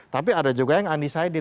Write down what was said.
tapi ada juga yang undecided